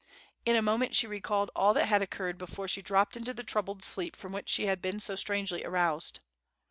In a moment she recalled all that had occurred before she dropped into the troubled sleep from which she had been so strangely aroused.